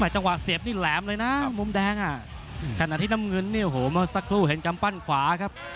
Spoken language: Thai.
จังหวะเสียบนี่แหลมเลยนะมุมแดงอ่ะขณะที่น้ำเงินเนี่ยโอ้โหเมื่อสักครู่เห็นกำปั้นขวาครับ